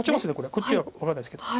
こっちは分かんないですけど。